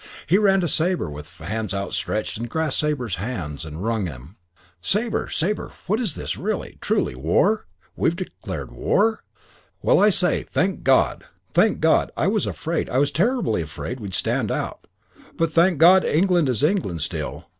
He ran to Sabre with hands outstretched and grasped Sabre's hands and wrung them. "Sabre! Sabre! What's this? Really? Truly? War? We've declared war? Well, I say, thank God! Thank God! I was afraid. I was terribly afraid we'd stand out. But thank God, England is England still....